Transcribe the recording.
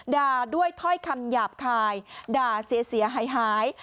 ด่าด้วยถ้อยคำหยาบคายด่าเสียหาย